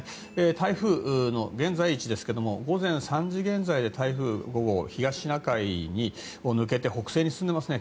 台風の現在位置ですが午前３時現在で台風５号、東シナ海を抜けて北西に進んでいますね。